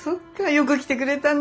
よく来てくれたね。